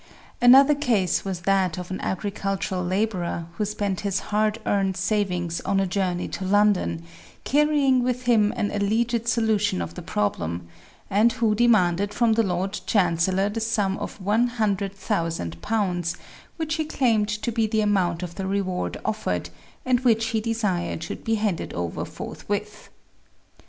Another case was that of an agricultural laborer who spent his hard earned savings on a journey to London, car rying with him an alleged solution of the problem, and who demanded from the Lord Chancellor the sum of one hun dred thousand pounds, which he claimed to be the amount of the reward offered and which he desired should be handed over forthwith.